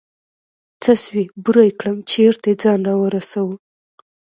څه سوې بوره يې كړم چېرته يې ځان راورسوه.